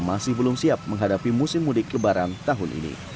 masih belum siap menghadapi musim mudik lebaran tahun ini